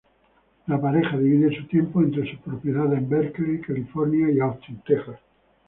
La pareja divide su tiempo entre sus propiedades en Berkeley, California, y Austin, Texas.